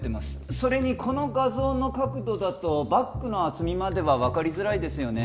それにこの画像の角度だとバッグの厚みまでは分かりづらいですよね